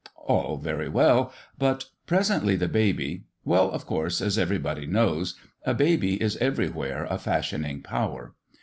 " All very well : but presently the baby well, of course, as everybody knows, a baby is everywhere a fashioning power.